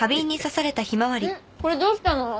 んっこれどうしたの？